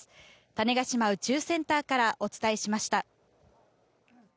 種子島宇宙センターからお伝えしました。